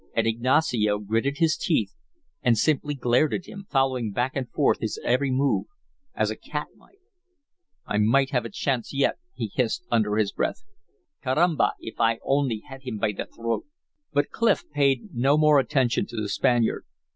And Ignacio gritted his teeth and simply glared at him, following back and forth his every move, as a cat might. "I may have a chance yet," he hissed, under his breath. "Carramba, if I only had him by the throat!" But Clif paid no more attention to the Spaniard.